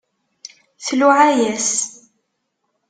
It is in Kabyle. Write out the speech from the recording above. Tluɛa-yas.